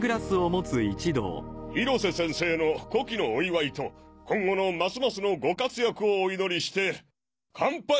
広瀬先生の古希のお祝いと今後のますますのご活躍をお祈りして乾杯！